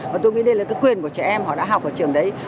và tôi nghĩ đây là cái quyền của trẻ em họ đã học ở trường đấy